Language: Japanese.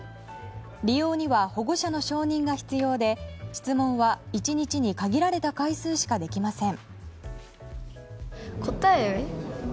利用には保護者の承認が必要で質問は１日に限られた回数しかできません。